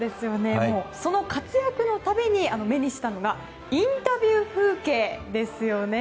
その活躍の度に目にしたのがインタビュー風景ですよね。